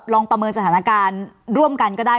ประเมินสถานการณ์ร่วมกันก็ได้